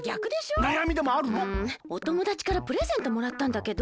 うんおともだちからプレゼントもらったんだけど。